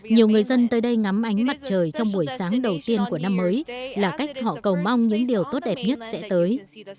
nhiều người dân tới đây ngắm ánh mặt trời trong buổi sáng đầu tiên của năm mới là cách họ cầu mong những điều tốt đẹp nhất sẽ tới